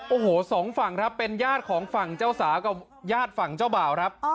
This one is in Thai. โอ้โหสองฝั่งครับเป็นญาติของฝั่งเจ้าสาวกับญาติฝั่งเจ้าบ่าวครับ